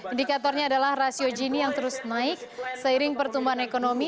indikatornya adalah rasio gini yang terus naik seiring pertumbuhan ekonomi